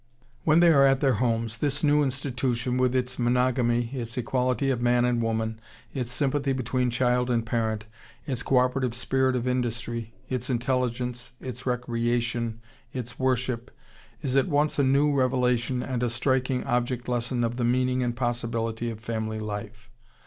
When they are at their homes, this new institution, with its monogamy, its equality of man and woman, its sympathy between child and parent, its co operative spirit of industry, its intelligence, its recreation, its worship, is at once a new revelation and a striking object lesson of the meaning and possibility of family life.